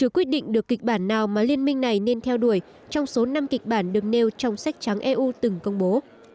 quyết định được kịch bản nào mà liên minh này nên theo đuổi trong số năm kịch bản được nêu trong sách trắng eu từng công bố